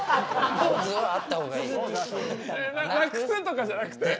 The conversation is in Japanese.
無くすとかじゃなくて？